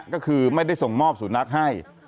ก็คือไม่ได้ส่งมอบสุนัขให้